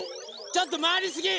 ちょっとまわりすぎ！